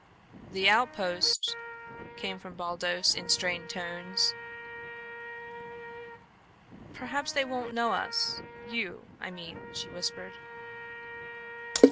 "The outpost," came from Baldos, in strained tones. "Perhaps they won't know us you, I mean," she whispered.